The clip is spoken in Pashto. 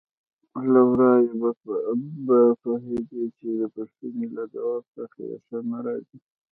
له ورايه به پوهېدې چې د پوښتنې له ځواب څخه یې ښه نه راځي.